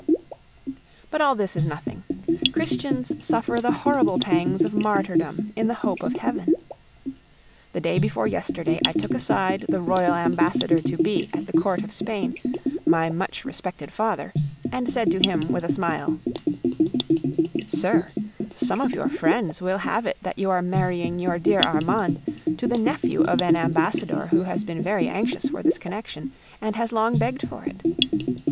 But all this is nothing; Christians suffer the horrible pangs of martyrdom in the hope of heaven. The day before yesterday I took aside the royal ambassador to be at the court of Spain, my much respected father, and said to him with a smile: "Sir, some of your friends will have it that you are marrying your dear Armande to the nephew of an ambassador who has been very anxious for this connection, and has long begged for it.